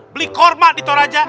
beli kormat di toraja